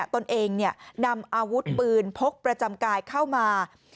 ตนเองนำอาวุธปืนพกประจำกายเข้ามา